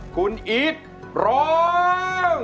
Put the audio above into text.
คุณอีทร้อง